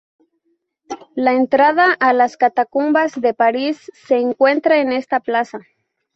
La entrada a las Catacumbas de París se encuentra en esta plaza.